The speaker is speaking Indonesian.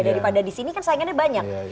daripada di sini kan saingannya banyak